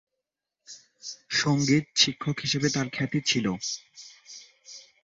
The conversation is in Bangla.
সঙ্গীত শিক্ষক হিসাবে তার খ্যাতি ছিল।